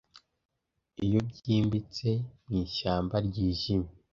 iyo byimbitse mwishyamba ryijimye